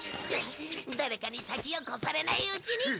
誰かに先を越されないうちに！